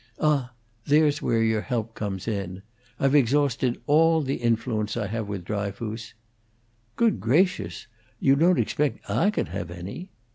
"Ah, there's where your help comes in. I've exhausted all the influence I have with Dryfoos " "Good gracious, you don't expect Ah could have any!"